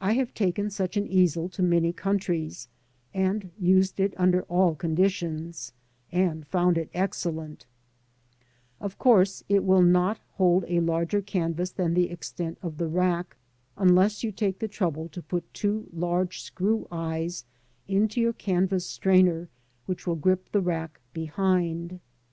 I have taken such an easel to many countries, and used it under all conditions, and found it excellent Of course, it will not hold a larger canvas than the extent of the rack, unless you take the trouble to put two large screw eyes into your canvas strainer which will grip the rack behind.